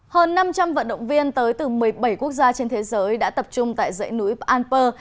hơn năm trăm linh vận động viên tới từ một mươi bảy quốc gia trên thế giới đã tập trung tại dãy núi alper